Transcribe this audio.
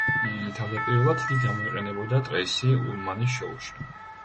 თავდაპირველად იგი გამოიყენებოდა ტრეისი ულმანის შოუში.